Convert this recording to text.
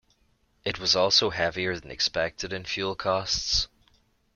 It was also heavier than expected in fuel costs.